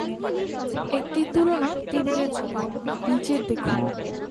একটি তুলনা টেবিলের জন্য, নিচের দেখুন।